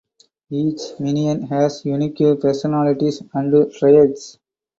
Each minion has unique personalities and traits.